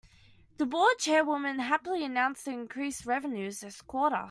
The board chairwoman happily announced increased revenues this quarter.